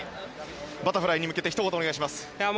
バタフライに向けてひと言お願いします。